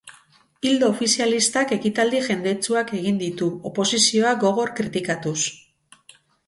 Ildo ofizialistak ekitaldi jendetsuak egin ditu, oposizioa gogor kritikatuz.